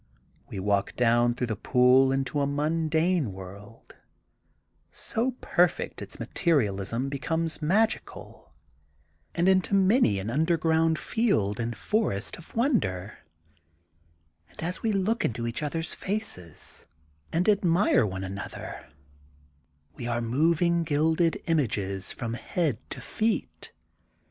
We walk down through the pool into a mundane world, so perfect its materialism becomes magical, and into many an under ground field and forest of wonder, and as we look into each other ^s faces and admire one another we are moving gilded images from head to feet.